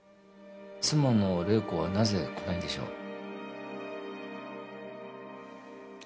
妻の麗子はなぜ来ないんでしょう？